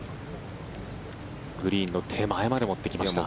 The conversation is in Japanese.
グリーンの手前まで持ってきました。